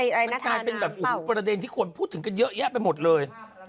ผสมไหนนาธารณามเปล่ามันมีแบบประเด็นที่ควรพูดถึงกันเยอะแยะไปหมดเลย